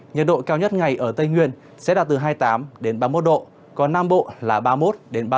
nhiệt độ cao nhất ngày ở tây nguyên sẽ đạt từ hai mươi tám ba mươi một độ còn nam bộ là ba mươi một ba mươi bốn